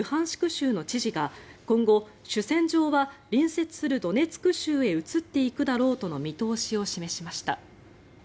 州の知事が今後、主戦場は隣接するドネツク州へ移っていくだろうとの見通しを示しました。